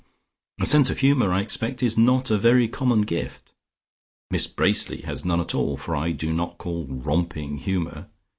A sense of humour, I expect, is not a very common gift; Miss Bracely has none at all, for I do not call romping humour.